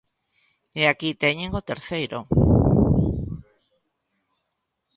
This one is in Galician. E aquí teñen o terceiro.